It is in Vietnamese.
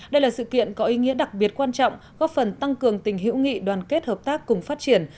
đây là sự kiện có ý nghĩa đặc biệt quan trọng góp phần tăng cường tình hữu nghị đoàn kết hợp tác cùng phát triển